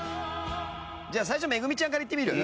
じゃあ最初めぐみちゃんからいってみる？